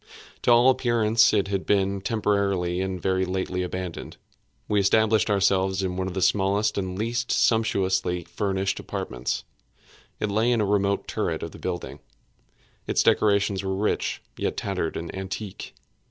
To all appearance it had been temporarily and very lately abandoned. We established ourselves in one of the smallest and least sumptuously furnished apartments. It lay in a remote turret of the building. Its decorations were rich, yet tattered and antique.